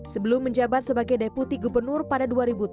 sebelum menjabat sebagai deputi gubernur pada dua ribu tiga belas